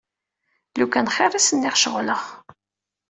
Lukan xir i s-nniɣ ceɣleɣ.